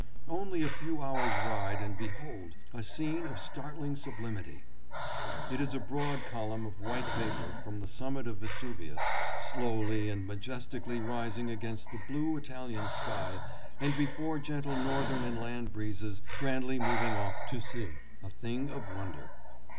Only a few hours' ride and behold a scene of startling sublimity ! It is a broad column of white vapor from the summit of Vesuvius, slowly and majestically rising against the blue Italian sky and before gentle northern and land breezes grandly moving off to sea, a thing of wonder.